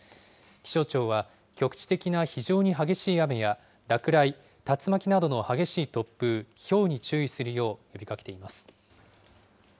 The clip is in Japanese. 気象庁は局地的な非常に激しい雨や落雷、竜巻などの激しい突風、ひょうに注意するよう呼びかけています。